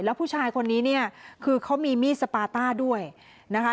แล้วผู้ชายคนนี้เนี่ยคือเขามีมีดสปาต้าด้วยนะคะ